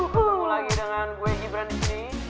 ketemu lagi dengan gue gibran disini